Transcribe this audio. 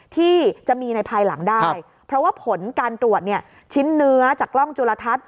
ที่จะมีในภายหลังได้เพราะว่าผลการตรวจชิ้นเนื้อจากร่องจุระทัด